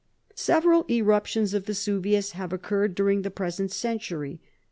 Several eruptions of Vesuvius have occurred during the present century.